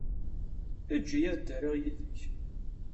Eǧǧ-iyi ad ddariɣ yid-k.